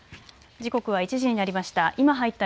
時刻は１時になりました。